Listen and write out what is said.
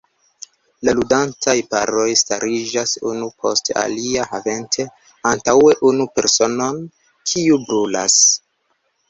La ludantaj paroj stariĝas unu post alia, havante antaŭe unu personon, kiu "brulas".